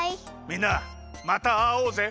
みんなまたあおうぜ！